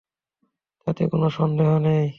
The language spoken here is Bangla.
তাতে কোনো সন্দেহ নেই।